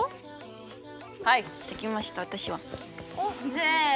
せの。